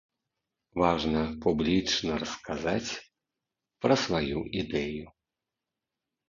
Важна публічна расказаць пра сваю ідэю.